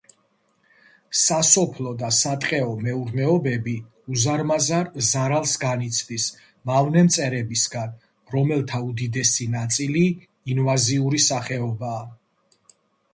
სასოფლო და სატყეო მეურნეობები უზარმაზარ ზარალს განიცდის მავნე მწერებისგან, რომელთა უდიდესი ნაწილი ინვაზიური სახეობაა.